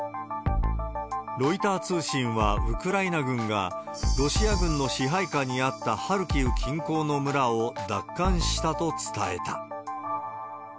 ロイター通信はウクライナ軍が、ロシア軍の支配下にあったハルキウ近郊の村を奪還したと伝えた。